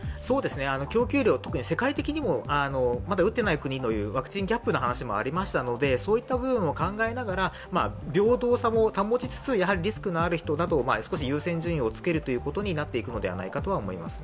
供給量は世界的にも、まだ打てていない国というワクチンギャップの話もありますので、そういうことも考えながら平等さも保ちつつ、リスクのある人を少し優先順位を漬けるということになっていくと思います。